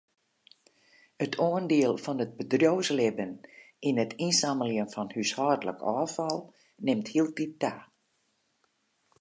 It oandiel fan it bedriuwslibben yn it ynsammeljen fan húshâldlik ôffal nimt hieltyd ta.